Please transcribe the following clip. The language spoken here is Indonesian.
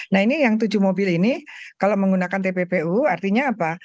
nah ini yang tujuh mobil ini kalau menggunakan tppu artinya apa